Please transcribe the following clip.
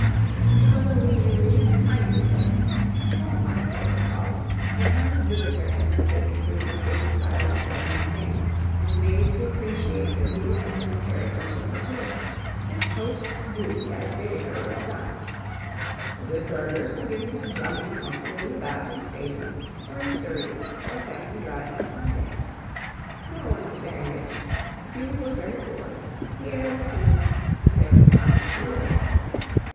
It was a leisurely and kindly place "homelike," it was called and when the visitor had been taken through the State Asylum for the Insane and made to appreciate the view of the cemetery from a little hill, his host's duty as Baedeker was done. The good burghers were given to jogging comfortably about in phaetons or in surreys for a family drive on Sunday. No one was very rich; few were very poor; the air was clean, and there was time to live.